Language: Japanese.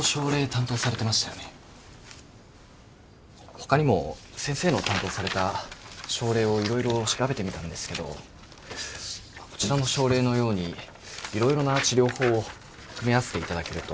他にも先生の担当された症例を色々調べてみたんですけどこちらの症例のように色々な治療法を組み合わせていただけると。